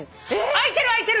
空いてる空いてる。